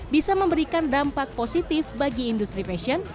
bisa memberikan dampak positif bagi industri fashion